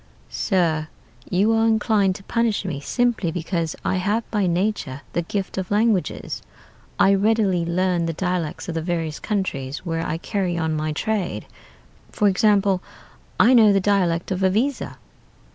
"'Sir, you are inclined to punish me simply because I have by nature the gift of languages. I readily learn the dialects of the various countries where I carry on my trade. For example, I know the dialect of Iviza.'